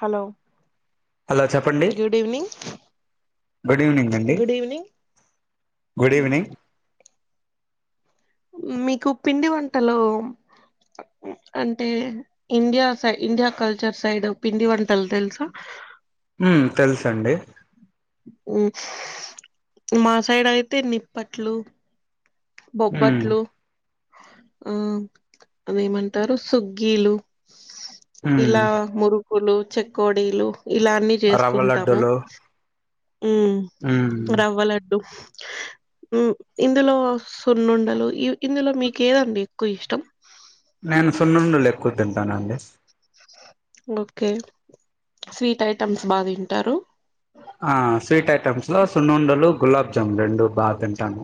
Hello hello చెప్పండి good evening good evening అండి good evening. Good evening మీకు పిండి వంటలు అంటే ఇండియా సై ఇండియా కల్చర్ సైడ్ పిండి వంటలు తెలుసా హ్మ్మ్ తెలుస అండి మా సైడ్ అయితే నిప్పట్లు మ్మ్ బొబ్బట్లు ఆ అదేమంటారు సుగ్గీలు మ్మ్ ఇలా మురుగు ఉక్కులు చెక్కడీలు ఇలాన్న రవ్వ చేసుకుంటాము లడ్డూలు ఉ మ్మ్ రవ్వ లడ్డూ ఇందులో సున్నుండలు ఇ ఇందులో మీకు ఏదండి ఎక్కువ ఇష్టం సున్నండులు ఎక్కువ తింటానుండి ఓకే స్వీట్ ఐటమ్స్ బాగా తింటారు ఆ స్వీట్ ఐటమ్స్ సునుండలు గులాబ్జామున్ రెండు బాగా తింటాను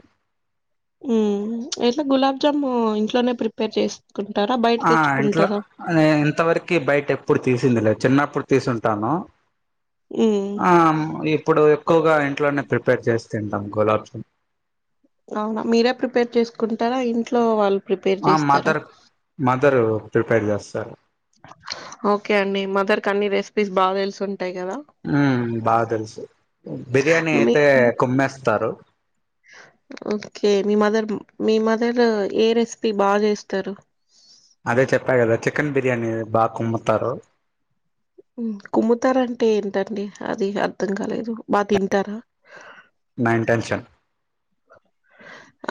హ్మ్మ్ ఎట్లా గులాబ్జాము ఇంట్లోనే ప్రిపేర్ చేస్త ఆ ఇంట్లో ఇంతవరకు బయట ఎప్పుడు తీసు ందిలే చిన్నప్పుడు తీసుంటాను హ్మ్ ఆ ఇప్పుడు ఎక్కువగా ఇంట్లోనే ప్రిపేర్ చేసి తింటాం గులాబ్జు అవునా మీరే ప్రిపేర్ చేసుకుంటారా ఇంట్లో వాళ్ళు ప్రిపేర్ ఆ చేస్తారా? మదర్ మదర్ ప్రిపేర్ చేస్తారు ఓకే అండి మదర్ క అన్ని రెసిపీస్ బాగా తెలుసుంటా హ బాగా తెలుసు బిర్యానీ మీ అయితే కొమ్మేస్తారు ఓకే మీ మదర్ మీ మదర్ ఏ రెసిపీ బాగా చేస్తారు అదే చెప్పా కదా చికెన్ బిర్యానీ బాగా కొమ్ముతారు కుమ్ముతారా అంటే ఏంటండి అది అర్థం కాలేదు బా తింటారా నా ఇంటెన్షన్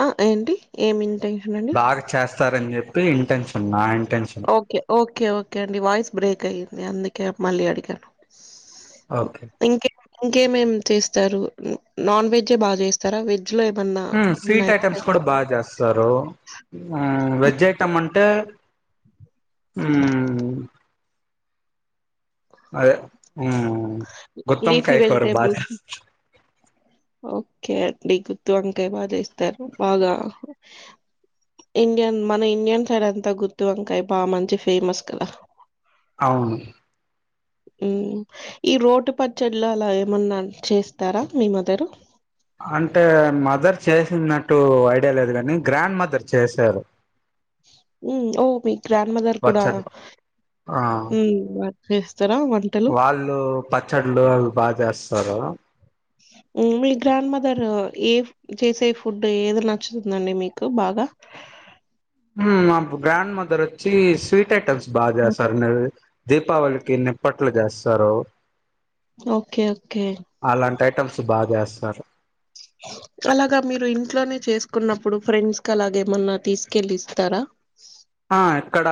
ఆ ఏంటి? ఏమ ఇంటెన్ష [unintelligible] బాగా చేస్త స్తార అని చెప్పి intention intention okay okay okay అండి వాయిస్ బ్రేక్ అయ్యంది న అందుక మళ్ళి అడిగాను ఓకే ఇంకే ఇంకేమేం చేస్తారు నాన్ వెజే బాగా చేస్తారా వెజ్ హ్మ్మ్ స్వీట్ ఐటమ్స్ కూడా బాగా చేస్తారు వెజ పజయటం అంటే అ అదే, హ్మ్మ్. లీఫీ గుత్తొంకాయ కూర్ర బా వెజిటేబుల్స్ చేస్తా. ఓకే అండి, గుత్తి వంకాయ బాగా చేస్తారు. బాగా! ఇండియన్ మన ఇండియన్ సైడ్ అంతా, గుత్తి వంకాయ బాగా మంచి ఫేమస్ కదా? అవును. హ్మ్మ్, ఈ రోటు పచ్చడిలు అలా, ఏమన్నా చేస్తారా? మీ మదరు. అంటే మదర్ చేసినట్టు ఐడియా లేదు కాని, గ్రాండ్ మదర్ చేశారు! ఉ ఓ పి. గ్రాండ్ మదర్ కూడా, పచ్చళ్ళు ఊమ్ మా. హిస్. వాళ్లు పచ్చడ్లు, అవి బాగా చేస్త. సరా. ఉమ్, మీ గ్రాండ్ మదర్ ఏ చేసే ఫుడ్ ఏది నచ్చుతుందండి మీకు బాగా? హ్మ్మ్, మా అబ్ గ్రాండ్ మదర్. చ్చ చ్చ స్వీట్ ఐటమ్స్, బాగా చేస్తారు. నరు దీపావళికిన్నిప్పట్లు చేస్తారు. Okay, okay. బాగ జేస్తారు. అలాగా మీరు ఇంట్లోనే చేసుకున్నప్పుడు, ఫ్రెండ్స్ క అలాగ ఏమన్నా తీసుకెళ్ళలిస్తారా? ఆ ఇక్కడ,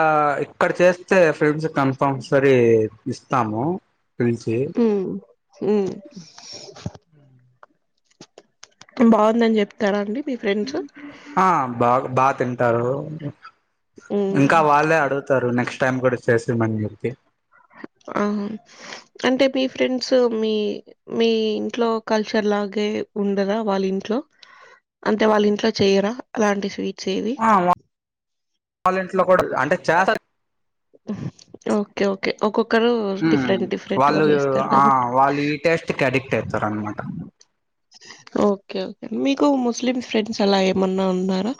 ఇక్కడ చేస్త. టే ఫ్రెండ్స్. కన్ఫర్మ్ సరెద్. ఇస్తాము. పిలిచి ఉమ్ ఉమ్. బాఉంది అన్నీ, జేప్తాడుండి? ఆ, బాగ్ బత్. తింటారో. హ్మ్ ఇంకా, వాళ్లే అడుగుతారు నెక్స్ట్. టైమ్ కూడా, చేశామని జేప్పి. ఆహా, అంటే మీ ఫ్రెండ్స్ మీ. మీ ఇంట్లో కల్చర్ లాగే ఉండదా వాళ్ళ ఇంట్లో? అంటే వాళ్ల ఇంట్లో చేయరా అలాంటి స్వీట్? చేవి. వాళ్ల ఇంట్లో కూడా [unintelligible] అంటే చేస్తారు. Okay, okay ఓకక్. హ్మ్మ్, వాళ్లు ఆ కాబట్టి వాళ్లు ఈ టేస్ట్ కి అడిక్ట్ అయితారు అనమాట. ఓకే ఓకే, మీకు ముస్లిం ఫ్రెండ్స్ అలా ఏమన్నా ఉన్నారా?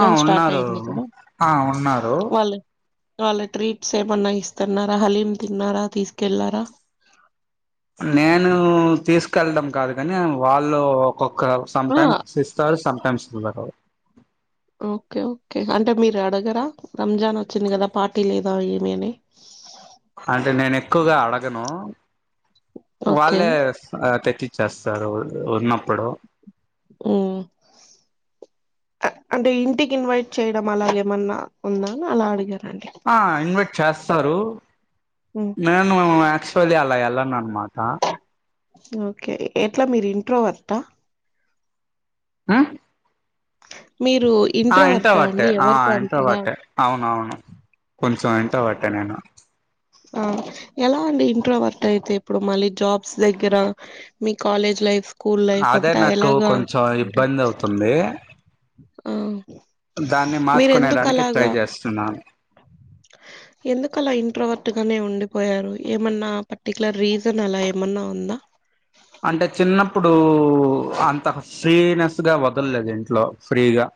ఆ స్టార్ట్ ఉన్నారు, అయింది కదా ఆ ఉన్నారు. వాళ్ల ట్రీప్స్ ఏమన్నా ఇస్తున్నారా? హలీం తిన్నారా? తీసుకెళ్లారా? నేను తీసుకెళ్ళడం కాదు కాని వాళ్ళు ఒక్కొక్క ఆ సమ్టైమ్స్ ఇస్తారు సమ్టైమ్స్ ఉండ ఓకే ఓకే అంటే మీరు అడగరా రంజాన్ వచ్చింది కదా పార్టీ లేదా ఏమి అని అంటే నేను ఎక్కువగా అడగను ఓకే వాళ్ళే తెచ్చచ్చేస్తారు ఉన్న మ్ అంటే ఇంటికి ఇన్వైట్ చేయడం అలాగేమన్నా ఉందా అలా అడిగారు. ఆ ఇన్వైట్ చేస్తారు మ్మ్ నేను యాక్చువల్లీ అలా వెల ఎలాన్నాను మాటా ఓకే ఎట్లా మీరు ఇంట్రోవర్ట్ ఆ ఆ మీరు ఆ ఇంట్రోవర్టా ఇంట్రోవెర్టె అండి ఆ ఎవరితో అంతగా ఇంట్రోవెర్టె అవున అవును కొంచెం ఇంట్రోవెర్టె నేను ఆ ఎలా అండి ఇంట్రోవెర్టె అయితే ఇప్పుడు మళ్ళీ జాబ్స్ దగ్గర మీ కాలేజ్ లైఫ్ స్కూల్ లైఫ్ అదే అంతా నాకు ఎలాగా కొంచెం ఇబ్బంది అవుతుంది అ దాన్ని మీరు మార్చుకునేడానికి ఎందుకులాగా ట్రై చేస్తున్నాను ఎందుకు అలా ఇంట్రవర్ట్ గానే ఉండి పోయారు ఏమన్నా పర్టికలర్ రీజన్ అలా ఏమన్నా ఉందా ఇప్పుడు అంత ఫ్రీనెస్గా వదలలేదు ఇంట్లో ఫ్రీగా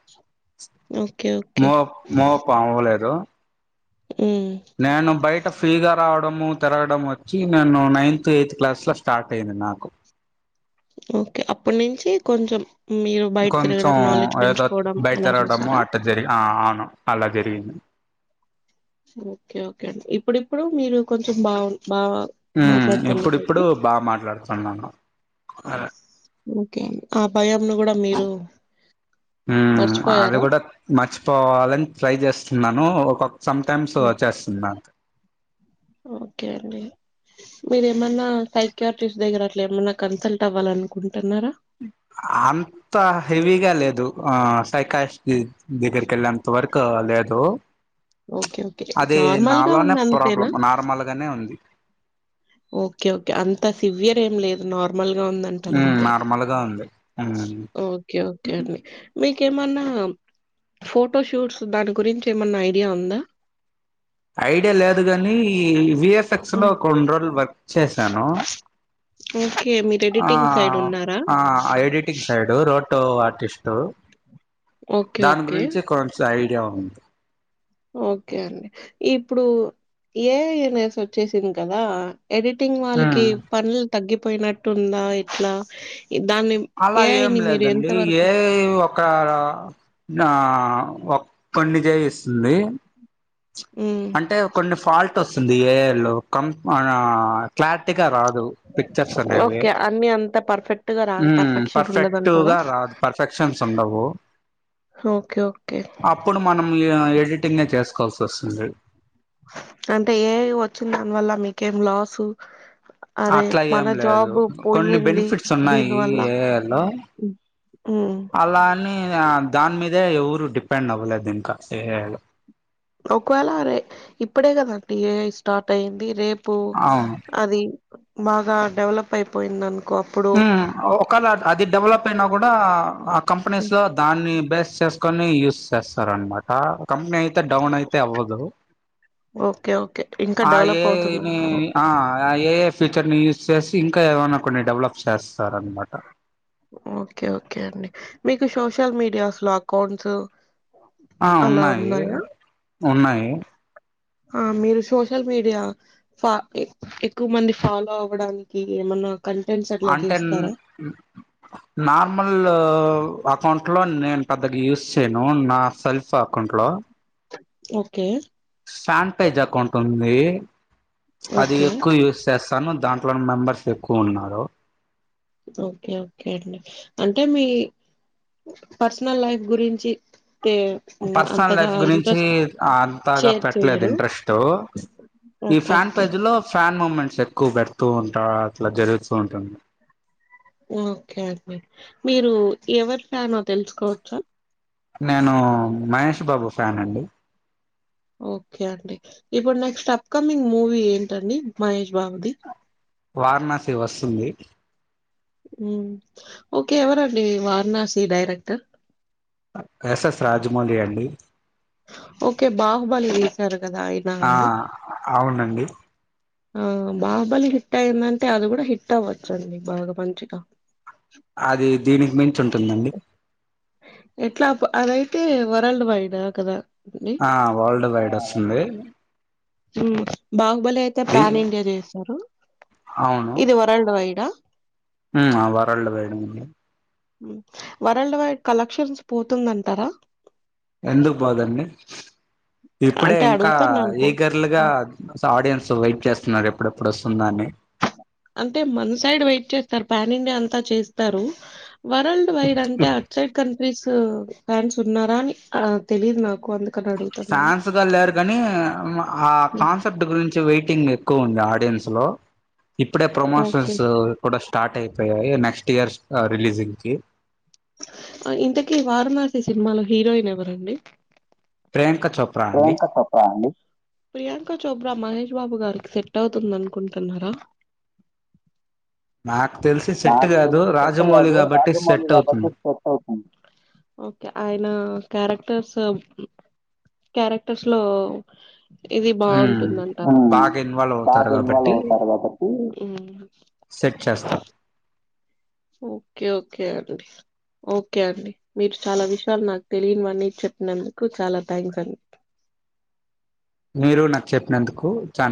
ఓకే ఓకే మూవ మూవప్ప అవ్వలేదు ఉమ్, ననబైక్ అ ఫ్రీగా రావడము తిరగడం వచ్చి, నేను నైన్త్ ఎయిత్ క్లాస్ లో స్టార్ట్ అయింది నాకు ఓకే అప్పటి నుంచి కొంచం కొంచెం ఏదో బయట అలా తరగడము చేశారా అట్ట జరిగి ఆ అవును అలా జరిగింది ఓకే ఓకే అండి ఇప్పుడిప్పుడు మీరు కొంచెం బాగు బాగా ఆ మాట్లాడుతున్నారు ఇప్పుడిప్పుడు అయితే బాగా మాట్లాడుతున్నాను ఓకే ఆ పై హ అది మర్చిపోయారా కూడా మర్చిపోవాలని ట్రై చేస్తున్నారు నను ఒక సమ్టైమ్స్ వ ఉమ్, చేస్తున్నా ఓకే అండి మీరేమన్నా సైక్యూరిటిస్ట్ దగ్గర అట్లా ఏమన్నా కన్సల్ట్ అవ్వాలనుకుం అంత హెవీగా లేదు ఆ పైకాష్ దగ్గరిక వెళ్ళంత వరకు లేదు ఓకే ఓకే అది నార్మల్ గా నాలోనే ఉంది అంతేనా ప్రాబ్లం నార్మల్గానే ఉంది ఓకే ఓకే అంత సివియర్ ఏం లేదు నార్ మలుగా ఉందంటారు ఉమ్ అంతే నార్మల్ గా ఉంది ఉమ్ ఓకే ఓకే అండి మీ క ఏమన్నా ఫోటోషూట్స్ దాని గురించి ఏమన్నా ఐడియా ఉందా ఐడియా లేదు గాని విఎఫ్ఎక్స్ లో హ్మ్. కొెండు రోజులు వర్క్ చేశాను ఓకే. మీరు ఆ ఎడిటింగ్ సైడ్ ఉన్నారా? ఆ editing side road photo artist okay. దాని ఓకే. గురించి కొసయి అట్ట ఉంద ఓకే అండి ఇప్పుడు ఏన్స్ వచ్చేసింది కదా ఎడిటింగ్ వాళ్ళకి ఉమ్ పనులు తగ్గి పోయినట్టు ఉందా ఎట్లా దాన్ని అలా ఏం ఏఐని మీరు ఎంత లేదండి వరకు ఏ ఒక నా ఒక్కడిని చేయిస్తుంది హ్మ్. అంటే కొన్ని ఫాల్ట్ వస్తుంది ఏయర్లో కం క్లారిటీగా రాదు పిక్చర్స్ అనేవి ఓకే. అన్నీ అంత పర్ఫెక్ట్‌గా రాదు. పర్ఫెక్షన్ ఉండదంటారా? పర్ఫెక్టుగా రాదు పర్ఫెక్షన్స్ ఉండవు ఓకే. ఓకే. అప్పుడు మనం ఎడిటింగ్నే చేసుకోవల్సా సస్ే అంటే ఏ వచ్చి దానివల్ల మీకేం లాసు అరే అట్లా మన ఏం లేదు జాబ్ కొన్ని పోయింది బెనిఫిట్స్ ఉన్నాయి దీనివల్ల ఏ లో ఉమ్ అలాని దాని మీద ఇదే ఇవరు డిపెండ్ అ్వలే ఇంకా ఒకవేళ రే ఇప్పుడే కదంట ఏఐ స్టార్ట్ అయియంది రేపు పో అవును అది మా ఆ డెవలప్అయిపోయింది అనుకో అప్పుడు ఉ ఒకవేళఅది డెవలప్ అయినా కూడా ఆక్ కంపెనీస్ లో దాని బెస్ట్ షూస్వే వేసుకొని యూస్ చేస్తారు అన్నమాట కంపెనీ ఇంత డౌన్అయితే అవదు ఓకే ఓకే ఇంకా ఆ డెవలప్ ఏ ఏ ని అవుతుందంటారు అయితే ఆ ఫ్యూచర్ ని యూస్ చేసి ఇంకా ఏమన్నా డెవలప్ చేస్తార్ అనమాట ఓకే ఓకే అండి మీకు సోషల్ మీడియాస్ లో అకౌంట్స్ ఆ అలా ఉన్నాయి ఉన్నాయా ఉన్నాయి ఆ మీరు సోషల్ మీడియా ఫ ఎక్కువ మంది ఫాలో అవ్వడానికి ఏమన్నా కంటెంట్స్ అట్లా అంటే చేస్తారా నార్మల్ అకౌంట్ లో నేను పెద్దగా యూస్ చేయను నా సెల్ఫ్ అకౌంట్లో ఓకే ఫ్యామ్ పేజ్ అకౌంట్ ఉంది అది ఓకే ఎక్కువ యూజ్ చేస్త తను దాంట్లోని మెంబర్స్ ఎక్కువ ఉన్నారు ఓకే ఓకే అండి అంటే మీ పర్సనల్ లైఫ్ గురించి తే హ్మ్. పర్సనల్ అంతగా లైఫ్ గురించి ఇంట్రెస్ట్ అంతాగా షేర్ పెట్టలేదు చెయ్యరు. ఇంట్రెస్ట్ ఈ ఓకే. Fan okay. పేజ్ లో ఫ్యాన్ హిప్పు మూమెంట్స్ ఎక్కువ పెడతూ ఉంటా అట్లా జరుగుతూ ఉంటుంది ఓకే అండి మీరు ఎవరి ఫ్యానో తెలుసుకోవచ్చా నేను మహేష్ బాబు ఫ్యాన్ అండి ఓకే అండి ఇప్పుడు నెక్స్ట్ అప్ కమింగ్ మూవీ ఏంటండి మహేష్ బాబుది? వారణాసి వస్తుంది ఉమ్ ఓకే ఎవరండి వారణాసి డైరెక్టర్ ఎస్ఎస్ రాజమౌళి అండి ఓకే బాహుబలి తీశారు కదా! ఆయనా ఆ అండి? అవునండి ఆ బాహుబలి హిట్ అయిందంటే అది కూడా హిట్ అవ్వచ్చండి బాగా మంచిగా అది దీనికి మించి చ్చుంటుందండి ఎట్లా అదైతే వరల్డ్ వైడ కదా అండి? ఆ వరల్డ్ వైడ్ వస్తుంది ఊ బాగు బలి అయితే ది పాన్ ఇండియా చేశారు అవును ఇది వరల్డ్ వైడా ఉమ్ వరల్డ్ వైడ్ ఉన్నారు వరల్డ్ వైడ్ కలెక్షన్స్ పోతుందంటారా ఎందుకు పోదండి ఇప్పుడే అంటే ఇంకా అడుగుతున్నానుకో ఈగర్లుగా హ్మ్. ఆడియన్స్ వెయిట్ చేస్త స్తున్నారు ఎప్పుడెప్పుడు వస్తుంద అని అంటే మన సైడ్ వెయిట్ చేస్తారు ప్యానిండియా అంతా చేస్తారు వరల్డ్ వైడ్ అంటే అటుసైడ్ కంట్రీస్ కు ఫ్యాన్స్ ఉన్నారా అని ఆ తెలీదు నాకు అందుకని అడుగుతున్నాను. ఫ్యాన్స్ గా లేరు కానీ ఆ హ్మ్. కాన్సెప్ట్ గురించి వెయిటింగ్ ఎక్కువ ఉంది ఆడియన్స్ లో ఇప్పుడే ఓకే. ప్రొమోషన్స్ కూడా స్ స్టార్ట్ అయిపోయాయి నెక్స్ట్ ఇయర్ రిలీజింగ్ కి ఇంతకీ వారణాసి సినిమాలో హీరోయిన్ ఎవరండి ప్రియాంక చోప్రా అండి ప్రియాంక చోప్రా అండి ప్రియాంకా చోప్రా మహేష్ మహేష్ బాబు గారికి సెట్ అవుతుంది అనుకుంటున్నారా నా కాబట్టి సెట్ అవుతుంది ఓకే ఐ నా క్యారెక్టర్స్ క్యారెక్టర్స్ లో ఇది ఉమ్, బాగుంటుందంట మ్ బాగా ఇన్వాల్వ్ అవుతారు కాబట్టి సెట్ చేస్తారు ఓకే ఓకే అండి ఓకే అండి మీరు చాలా విషయాలు నాకు తెలియనివన్నీ చెప్పినందుకు చాలా థ్యాంక్స్ అండ్ మీరు నాకు చెప్పినందుకు చాన్